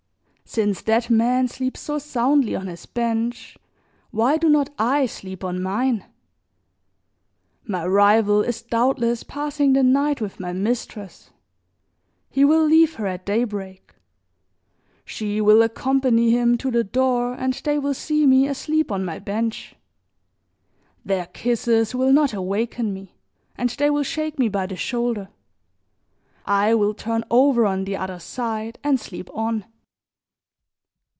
Since that man sleeps so soundly on his bench why do not I sleep on mine? My rival is doubtless passing the night with my mistress; he will leave her at daybreak; she will accompany him to the door and they will see me asleep on my bench. Their kisses will not awaken me, and they will shake me by the shoulder; I will turn over on the other side and sleep on."